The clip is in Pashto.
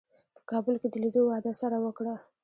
په کابل کې د لیدو وعده سره وکړه.